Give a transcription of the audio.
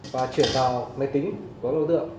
và chuyển vào máy tính của các đối tượng